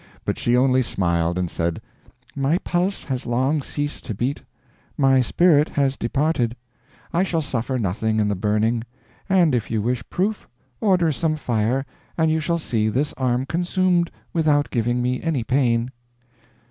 But she only smiled and said, "My pulse has long ceased to beat, my spirit has departed; I shall suffer nothing in the burning; and if you wish proof, order some fire and you shall see this arm consumed without giving me any pain."